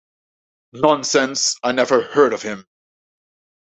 Nonsense, I never heard of him!